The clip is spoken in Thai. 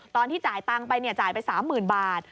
ตอนที่จ่ายตังค์ไปจ่ายไป๓๐๐๐บาท